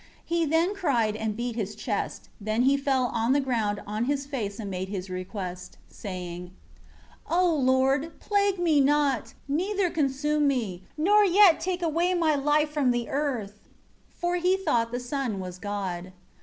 4 He then cried and beat his chest, then he fell on the ground on his face and made his request, saying: 5 "O Lord, plague me not, neither consume me, nor yet take away my life from the earth." 6 For he thought the sun was God.